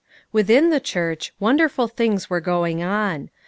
TTTITHIN the church wonderful things were going on.